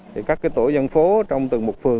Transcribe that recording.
thì các cái tổ dân phố trong từng mục phương